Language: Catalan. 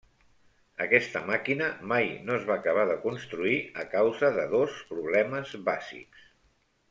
Aquesta màquina mai no es va acabar de construir a causa de dos problemes bàsics.